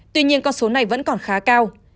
tuy nhiên con số này vẫn còn khá cao